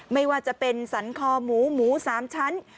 ไม่ว่าจะเป็นสรรคอหมูหมู๓ชั้น